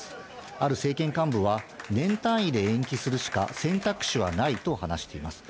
ある政権幹部は、年単位で延期するしか選択肢はないと話しています。